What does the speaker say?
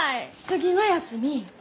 次の休み